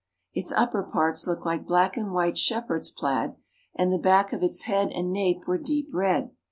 Its upper parts looked like black and white shepherd's plaid, and the back of its head and nape were deep red.